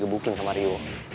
bukin sama rio